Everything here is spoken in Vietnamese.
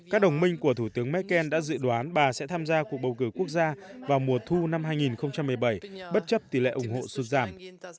các đồng minh của thủ tướng merkel đã dự đoán bà sẽ tham gia cuộc bầu cử quốc gia vào mùa thu năm hai nghìn một mươi bảy bất chấp tỷ lệ ủng hộ sụt giảm